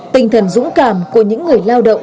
tinh thần dũng cảm của những người lao động